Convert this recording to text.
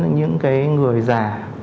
những người già